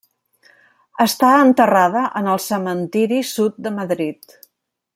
Està enterrada en el Cementiri Sud de Madrid.